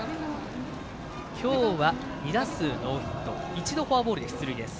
今日は、２打数ノーヒット１度、フォアボールで出塁です。